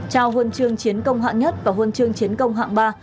trao huân chương chiến công hạng nhất và huân chương chiến công hạng ba